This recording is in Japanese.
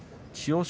千代翔